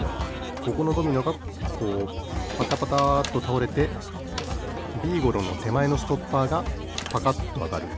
ここのドミノがこうパタパタッとたおれてビーゴローのてまえのストッパーがパカッとあがる。